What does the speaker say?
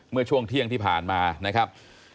เมื่อช่วงเที่ยงที่ผ่านมานะครับ